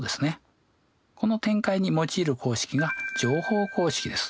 この展開に用いる公式が乗法公式です。